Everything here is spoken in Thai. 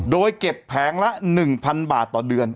โดยเก็บแผงละ๑๐๐๐บาทต่อเดือน